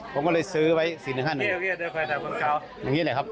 ผมเลยซื้อไว้๔๑๕๑แบบนี้แหละครับ